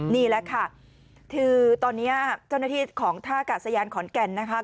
นี่แหละค่ะคือตอนนี้เจ้าหน้าที่ของท่ากาศยานขอนแก่นนะคะ